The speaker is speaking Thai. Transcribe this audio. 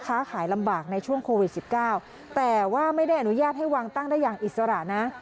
ค้าขายลำบากในช่วงโควิด๑๙แต่ว่าไม่ได้อนุญาตให้วางตั้งได้อย่างอิสระนะ